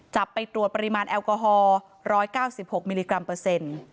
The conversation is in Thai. ไปตรวจปริมาณแอลกอฮอล๑๙๖มิลลิกรัมเปอร์เซ็นต์